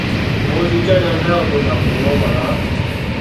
我最憎人喺我背後講我壞話